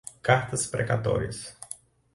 cartas precatórias